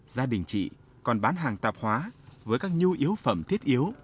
gia đình chị còn bán hàng tạp hóa với các nhu yếu phẩm thiết yếu